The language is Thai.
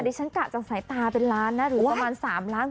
ที่ฉันกะจากสายตาเป็นล้านนะหรือประมาณ๓ล้าน